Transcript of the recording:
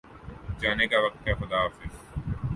جانے کا وقت ہےخدا حافظ